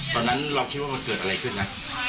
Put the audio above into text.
ตอนนั้นเราคิดว่ามันเกิดอะไรขึ้นนะ